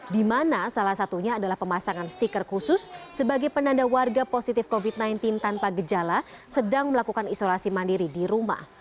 di mana salah satunya adalah pemasangan stiker khusus sebagai penanda warga positif covid sembilan belas tanpa gejala sedang melakukan isolasi mandiri di rumah